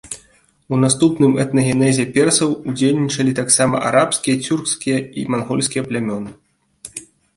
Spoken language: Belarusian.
У наступным этнагенезе персаў удзельнічалі таксама арабскія, цюркскія і мангольскія плямёны.